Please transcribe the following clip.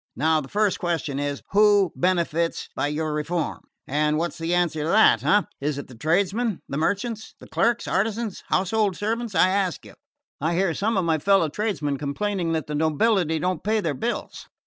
Now the first question is: who benefits by your reform? And what's the answer to that, eh? Is it the tradesmen? The merchants? The clerks, artisans, household servants, I ask you? I hear some of my fellow tradesmen complaining that the nobility don't pay their bills.